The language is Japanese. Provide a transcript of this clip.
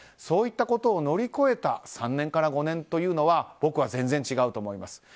そういったことを乗り越えた３年から５年というのは僕は全然違うと思います。